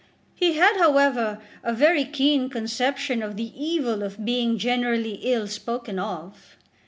He had, however, a very keen conception of the evil of being generally ill spoken of.